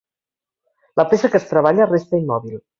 La peça que es treballa resta immòbil.